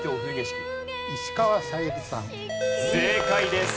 正解です。